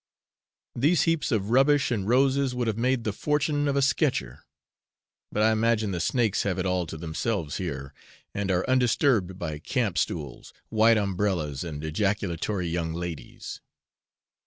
These heaps of rubbish and roses would have made the fortune of a sketcher; but I imagine the snakes have it all to themselves here, and are undisturbed by camp stools, white umbrellas, and ejaculatory young ladies.